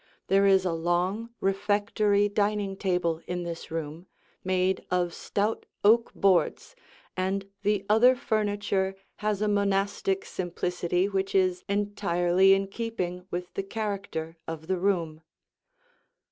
There is a long, refectory dining table in this room, made of stout oak boards, and the other furniture has a monastic simplicity which is entirely in keeping with the character of the room.